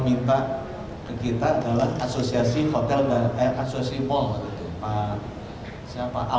pak alphonse kalau tidak salah nama